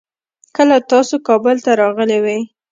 کله تاسو کابل ته راغلې وي؟